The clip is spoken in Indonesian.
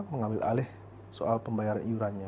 mengambil alih soal pembayaran iurannya